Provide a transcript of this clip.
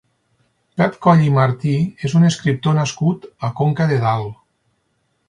Pep Coll i Martí és un escriptor nascut a Conca de Dalt.